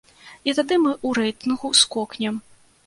І тады мы ў рэйтынгу скокнем!